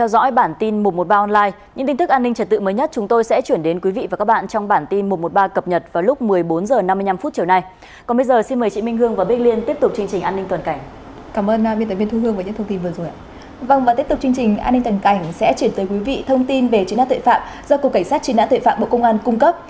do cục cảnh sát truy nãn tội phạm bộ công an cung cấp